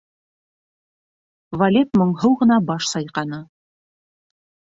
Валет моңһоу ғына баш сайҡаны.